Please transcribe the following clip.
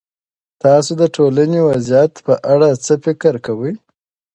تاسو د ټولنې د وضعيت په اړه څه فکر کوئ؟